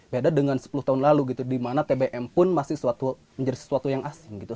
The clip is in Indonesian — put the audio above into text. beda dengan sepuluh tahun lalu gitu di mana tbm pun masih menjadi sesuatu yang asing gitu